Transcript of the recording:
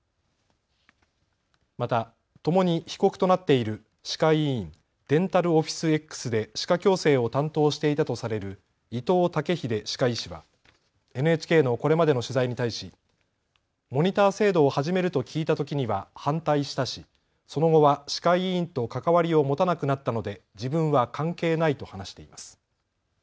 また、ともに被告となっている歯科医院、ＤｅｎｔａｌＯｆｆｉｃｅＸで歯科矯正を担当していたとされる伊藤剛秀歯科医師はＮＨＫのこれまでの取材に対しモニター制度を始めると聞いたときには反対したし、その後は歯科医院と関わりを持たなくなったので自分は関係ないと話しています。